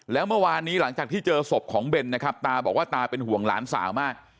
แล้วเมื่อวานนี้หลังจากที่เจอศพของเบนนะครับตาบอกว่าตาเป็นห่วงหลานสาวมาก